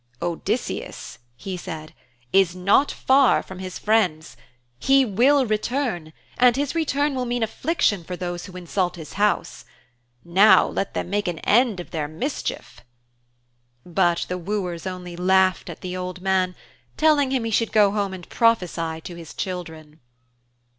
'Odysseus,' he said, 'is not far from his friends. He will return, and his return will mean affliction for those who insult his house. Now let them make an end of their mischief.' But the wooers only laughed at the old man, telling him he should go home and prophesy to his children.